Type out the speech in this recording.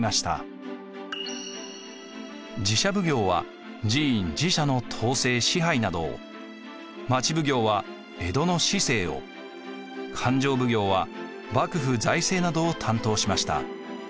寺社奉行は寺院神社の統制支配などを町奉行は江戸の市政を勘定奉行は幕府財政などを担当しました。